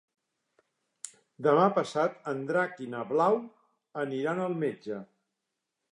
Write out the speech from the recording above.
Demà passat en Drac i na Blau aniran al metge.